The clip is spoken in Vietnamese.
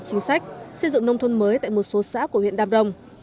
chính sách xây dựng nông thôn mới tại một số xã của huyện đàm rồng